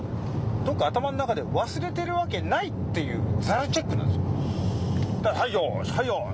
どこか頭の中で「忘れてるワケない」っていうザルチェックなんですよ。